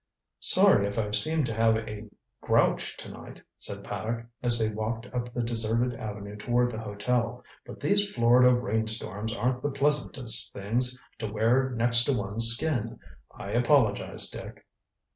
"Sorry if I've seemed to have a grouch to night," said Paddock, as they walked up the deserted avenue toward the hotel. "But these Florida rain storms aren't the pleasantest things to wear next to one's skin. I apologize, Dick."